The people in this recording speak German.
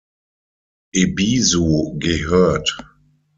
Ebisu gehört